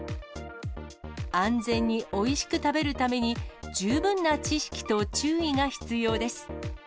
安全においしく食べるために、十分な知識と注意が必要です。